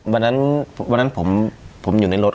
วันนั้นผมอยู่ในรถ